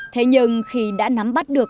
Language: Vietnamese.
thế nhưng khi đã nắm bắt được